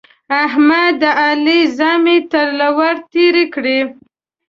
احمد د علي زامې تر له ور تېرې کړې.